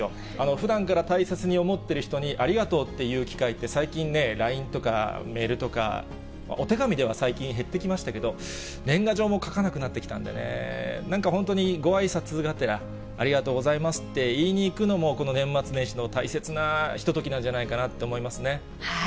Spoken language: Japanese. ふだんから大切に思っている人にありがとうって言う機会って、最近ね、ＬＩＮＥとかメールとか、お手紙では最近減ってきましたけど、年賀状も書かなくなってきたんでね、なんか本当にごあいさつがてら、ありがとうございますって言いに行くのも、この年末年始の大切なひとときなんじゃないかなと思いますね。